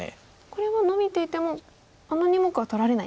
これはノビていてもあの２目は取られないんですね。